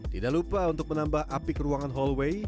tidak lupa untuk menambah api ke ruangan hallway